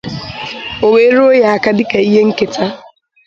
o wee ruo ya aka dịka ihe nkèta